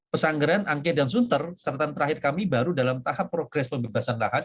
pesangeran angke dan sunter catatan terakhir kami baru dalam tahap progres pembebasan lahan